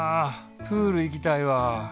プール行きたいわ。